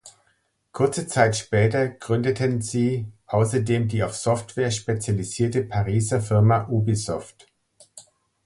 Kurze Zeit später gründeten sie außerdem die auf Software spezialisierte Pariser Firma Ubisoft.